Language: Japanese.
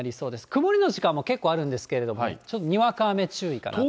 曇りの時間も結構あるんですけれども、にわか雨注意かなと。